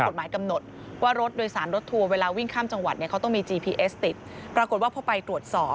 ๓กิโลเมตรต่อชั่วโมงกำหนด๖๐บาท